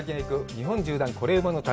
日本縦断コレうまの旅」。